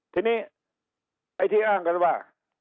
ทีนี้ไอ้ที่อ้างก็รู้ป่ะ